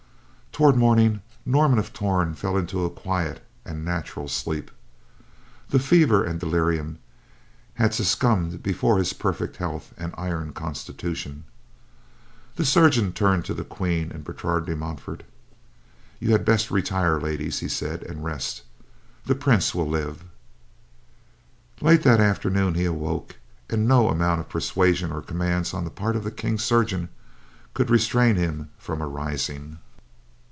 Toward morning, Norman of Torn fell into a quiet and natural sleep; the fever and delirium had succumbed before his perfect health and iron constitution. The chirurgeon turned to the Queen and Bertrade de Montfort. "You had best retire, ladies," he said, "and rest. The Prince will live." Late that afternoon he awoke, and no amount of persuasion or commands on the part of the King's chirurgeon could restrain him from arising.